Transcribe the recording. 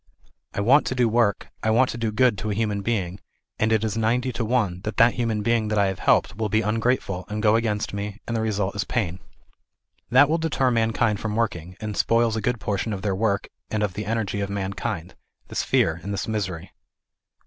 I want to do work, I want to do good to a human being, and it is 90 to 1 that that human being that. I have helped will be ungrate ful, and go against me, and the result is pain. That will deter mankind from working, and spoil a good portion of their work and of the energy of mankind, this fear and this misery.